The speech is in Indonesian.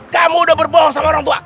kamu udah berbohong sama orang tua